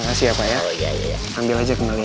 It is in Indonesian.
makasih ya pak ya ambil aja kembali